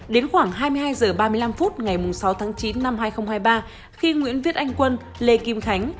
đến khoảng hai mươi hai h ba mươi năm phút ngày sáu tháng chín năm hai nghìn hai mươi ba khi nguyễn viết anh quân lê kim khánh